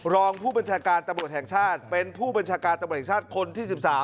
รองผู้บัญชาการตำรวจแห่งชาติเป็นผู้บัญชาการตำรวจแห่งชาติคนที่๑๓